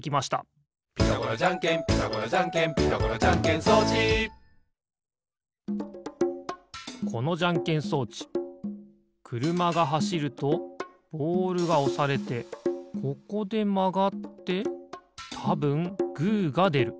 「ピタゴラじゃんけんピタゴラじゃんけん」「ピタゴラじゃんけん装置」このじゃんけん装置くるまがはしるとボールがおされてここでまがってたぶんグーがでる。